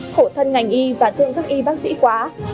khổ thân ngành y và thương các y bác sĩ quá